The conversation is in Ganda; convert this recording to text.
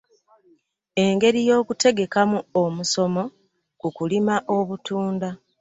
Engeri y’okutegekamu omusomo ku kulima obutunda.